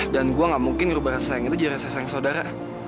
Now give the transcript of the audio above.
dan gue gak mungkin ngerubah rasa sayang itu jadi rasa sayang saudara